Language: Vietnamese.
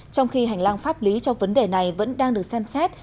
trong khi hành lang pháp lý cho vấn đề này vẫn đang được xem xét